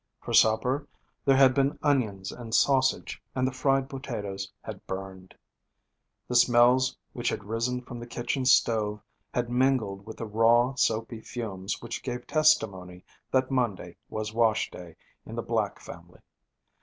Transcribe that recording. For supper there had been onions and sausage, and the fried potatoes had burned. The smells which had risen from the kitchen stove had mingled with the raw, soapy fumes which gave testimony that Monday was wash day in the Black family.